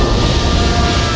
kau tidak bisa menangkapmu